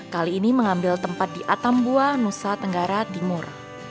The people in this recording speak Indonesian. kali ini mengambil tempat di atambua nusa tenggara timur